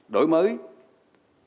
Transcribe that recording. đổi mới hình kinh tế